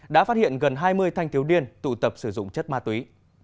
đã phát hiện gần hai mươi thanh tiếu điên tụ tập sử dụng chất ma túy